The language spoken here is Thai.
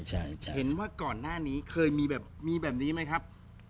เห็นว่าก่อนหน้านี้เคยมีแบบนี้ไหมครับ